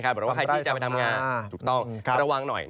หรือว่าใครที่จะไปทำงานถูกต้องระวังหน่อย